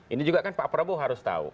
ini juga kan pak prabowo harus tahu